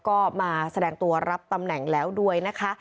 ก็มาแสดงตัวรับตำแหน่งแล้วด้วยนะคะ